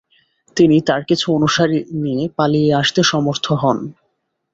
তিনি তার কিছু অনুসারী নিয়ে পালিয়ে আসতে সমর্থ হন।